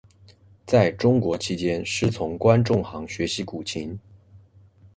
在中国期间师从关仲航学习古琴。